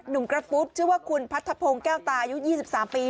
หนุ่มกรัฟฟู้ดเชื่อว่าคุณพัฒนภงแก้วตายุทธ์๒๓ปี